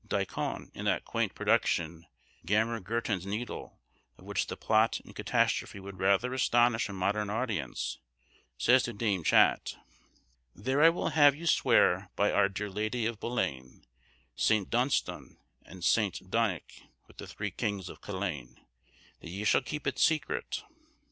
Diccon, in that quaint production 'Gammer Gurton's Needle,' of which the plot and catastrophe would rather astonish a modern audience, says to Dame Chat,— "There I will have you swear by oure dere lady of Bullaine, Saint Dunstone and Saint Donnyke, with the Three Kings of Kullain, That ye shall keep it secret."